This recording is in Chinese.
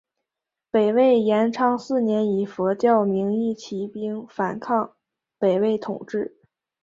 北魏延昌四年以佛教名义起兵反抗北魏统治。